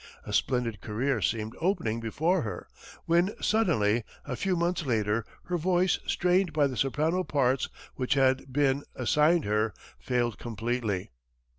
A splendid career seemed opening before her, when suddenly, a few months later, her voice, strained by the soprano parts which had been, assigned her, failed completely.